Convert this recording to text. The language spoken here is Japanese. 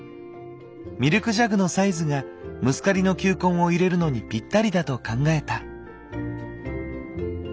ミルクジャグのサイズがムスカリの球根を入れるのにぴったりだと考えた。